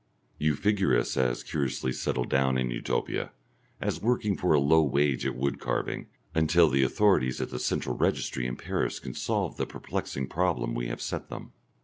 You figure us as curiously settled down in Utopia, as working for a low wage at wood carving, until the authorities at the central registry in Paris can solve the perplexing problem we have set them.